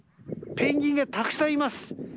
ペンギンがたくさんいます。